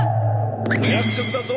お約束だぞ！